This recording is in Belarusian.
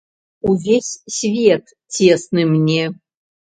Увесь свет цесны мне.